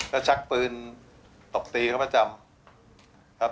ก็ชักปืนตกตีเขาประจำ